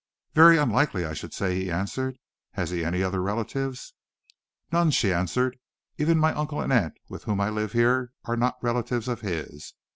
"Very unlikely, I should say," he answered. "Has he any other relatives?" "None," she answered. "Even my uncle and aunt with whom I live here are not relatives of his.